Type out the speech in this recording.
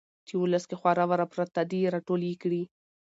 چې ولس کې خواره واره پراته دي را ټول يې کړي.